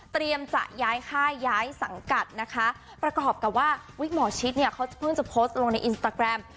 จะย้ายค่ายย้ายสังกัดนะคะประกอบกับว่าวิกหมอชิดเนี่ยเขาเพิ่งจะโพสต์ลงในอินสตาแกรม